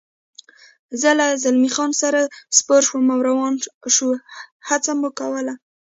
زه له زلمی خان سره سپور شوم او روان شو، هڅه مو کول.